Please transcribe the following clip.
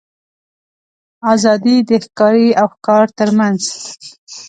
آزادي د ښکاري او ښکار تر منځ.